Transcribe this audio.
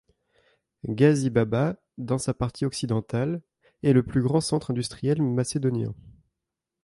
Gazi Baba, dans sa partie occidentale, est le plus grand centre industriel macédonien.